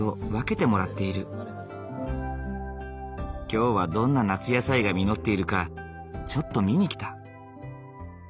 今日はどんな夏野菜が実っているかちょっと見に来た。